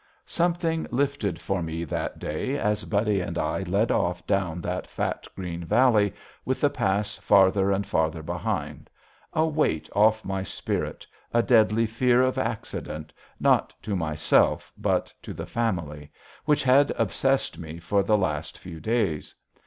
Something lifted for me that day as Buddy and I led off down that fat, green valley, with the pass farther and farther behind a weight off my spirit, a deadly fear of accident, not to myself but to the Family, which had obsessed me for the last few days.